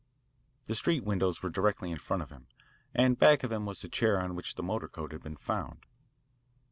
The street windows were directly in front of him, and back of him was the chair on which the motorcoat had been found.